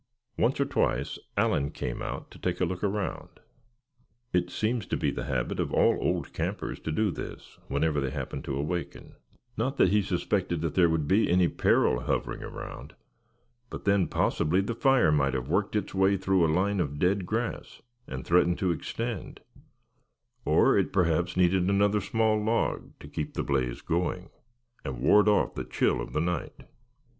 Once or twice Allan came out to take a look around. It seems to be the habit of all old campers to do this, whenever they happen to awaken; not that he suspected that there would be any peril hovering around; but then possibly the fire might have worked its way through a line of dead grass, and threaten to extend; or it perhaps needed another small log to keep the blaze going, and ward off the chill of night.